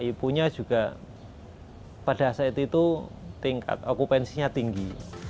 ya punya juga pada saat itu tingkat okupansinya tinggi